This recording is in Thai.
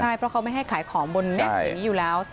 ใช่เพราะเขาไม่ให้ขายของบนนี้อยู่แล้ว